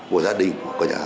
của gia đình